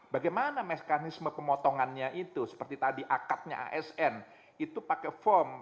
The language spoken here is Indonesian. bagaimana mekanisme pemotongannya itu seperti tadi akadnya asn itu pakai form